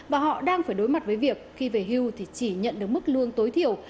và họ đang phải đối mặt với việc khi về hưu thì chỉ nhận được mức lương tối thiểu